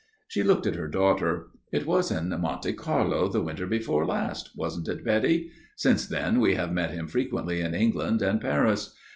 She looked at her daughter. "It was in Monte Carlo the winter before last, wasn't it, Betty? Since then we have met him frequently in England and Paris.